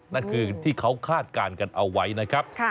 นั่นคือที่เขาคาดการณ์กันเอาไว้นะครับ